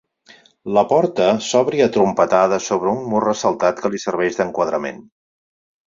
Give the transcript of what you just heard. La porta s'obri atrompetada sobre un mur ressaltat que li serveix d'enquadrament.